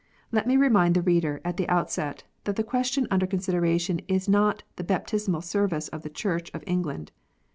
Let me remind the reader at the outset, that the question under consideration is not the Baptismal Service of the Church of England.